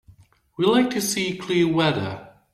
We like to see clear weather.